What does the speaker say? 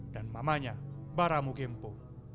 dan mamanya baramu kempo